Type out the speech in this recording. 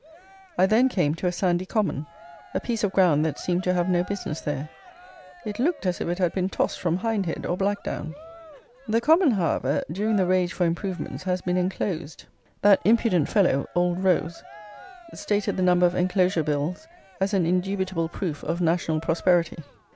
I then came to a sandy common; a piece of ground that seemed to have no business there; it looked as if it had been tossed from Hindhead or Blackdown. The common, however, during the rage for "improvements," has been enclosed. That impudent fellow, Old Rose, stated the number of Enclosure Bills as an indubitable proof of "national prosperity."